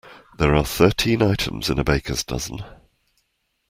There are thirteen items in a baker’s dozen